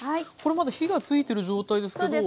これまだ火が付いてる状態ですけど。